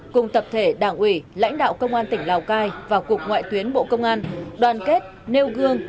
cùng tập thể đảng ủy lãnh đạo công an tỉnh lào cai và cục ngoại tuyến bộ công an đoàn kết nêu gương